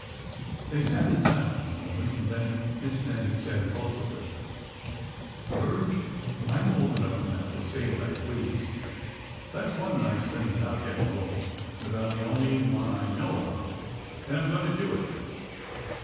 They sat in silence a moment, and then Miss Nannie said impulsively : Virge, I 'm old enough now to say what I please. That 's one nice thing about getting old— and about the only one I know of— and I 'm going to do it.